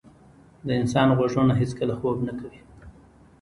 د انسان غوږونه هیڅکله خوب نه کوي.